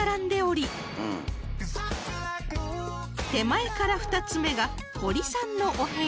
［手前から２つ目が堀さんのお部屋］